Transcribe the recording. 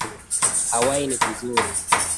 Hawai ni kuzuri